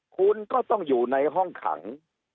คุณก็ต้องอยู่ในห้องขัง